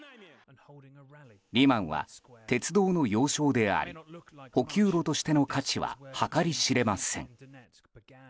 リマンは鉄道の要衝であり補給路としての価値は計り知れません。